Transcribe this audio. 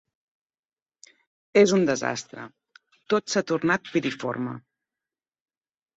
És un desastre. Tot s'ha tornat piriforme.